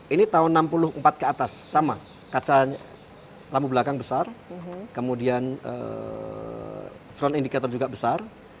ini tahun seribu sembilan ratus enam puluh empat ke atas sama kaca lampu belakang besar kemudian front indicator juga besar